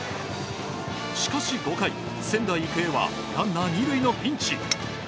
しかし５回、仙台育英はランナー２塁のピンチ。